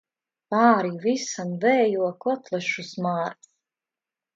Pāri visam vējo kotlešu smārds.